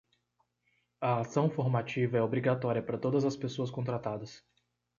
A ação formativa é obrigatória para todas as pessoas contratadas.